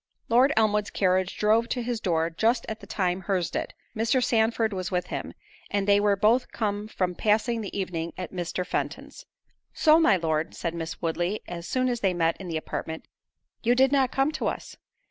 Lord Elmwood's carriage drove to his door just at the time her's did; Mr. Sandford was with him, and they were both come from passing the evening at Mr. Fenton's. "So, my Lord," said Miss Woodley, as soon as they met in the apartment, "you did not come to us?"